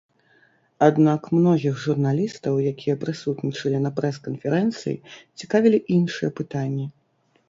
Аднак многіх журналістаў, якія прысутнічалі на прэс-канферэнцыі, цікавілі іншыя пытанні.